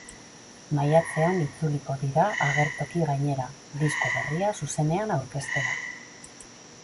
Maiatzean itzuliko dira agertoki gainera, disko berria zuzenean aurkeztera.